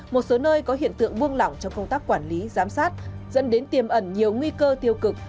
một số nơi có hiện tượng buông lỏng trong công tác quản lý giám sát dẫn đến tiềm ẩn nhiều nguy cơ tiêu cực